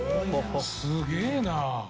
すげえな！